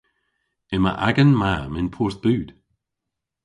Yma agan mamm yn Porthbud.